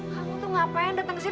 kamu tuh ngapain dateng kesini